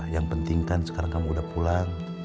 yang penting kan sekarang kamu udah pulang